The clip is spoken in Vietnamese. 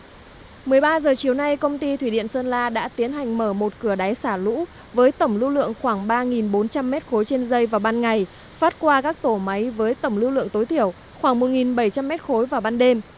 một mươi ba h chiều nay công ty thủy điện sơn la đã tiến hành mở một cửa đáy xả lũ với tổng lưu lượng khoảng ba bốn trăm linh m ba trên dây vào ban ngày phát qua các tổ máy với tổng lưu lượng tối thiểu khoảng một bảy trăm linh m ba vào ban đêm